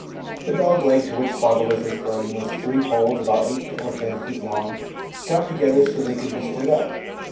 The dog leg to which father had referred was three poles about eight or ten feet long, strapped together so they could be stood up.